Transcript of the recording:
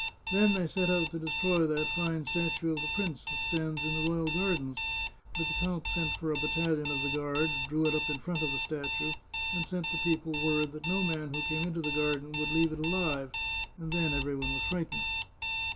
Then they set out to destroy that fine statue of the prince that stands in the royal gardens, but the count sent for a battalion of the guard, drew it up in front of the statue, and sent the people word that no man who came into the garden should leave it alive, and then every one was frightened.